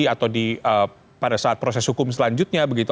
atau pada saat proses hukum selanjutnya begitu